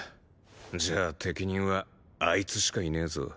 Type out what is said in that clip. じゃあ適任はあいつしかいねえぞ。